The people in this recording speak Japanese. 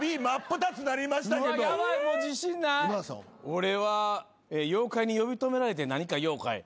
俺は「妖怪に呼び止められて何か用かい？」